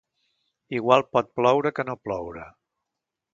Igual pot ploure que no ploure.